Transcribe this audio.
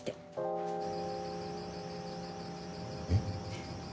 えっ？